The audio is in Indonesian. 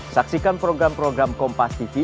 saksikan program program kompas tv